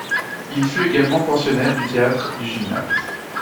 Il fut également pensionnaire du Théâtre du Gymnase.